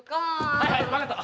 はいはい分かった。